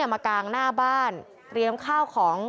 มากางหน้าบ้านเตรียมข้าวของ